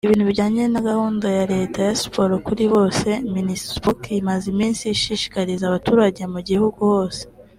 ibintu bijyanye na gahunda ya leta ya ‘siporo kuri bose’ Minispoc imaze iminsi ishishikariza abaturage mu gihugu hose